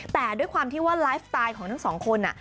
แต่ด้วยความที่ว่าไลฟ์สไตล์ของทั้งสองคน